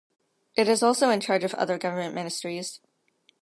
It is also in charge of other government ministries.